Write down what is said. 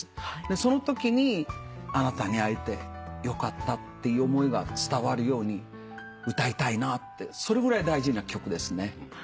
そのときに「あなたに逢えてよかった」っていう思いが伝わるように歌いたいなってそれぐらい大事な曲ですね。